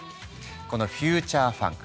このフューチャーファンク